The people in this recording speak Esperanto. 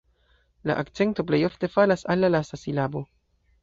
La akcento plej ofte falas al la lasta silabo.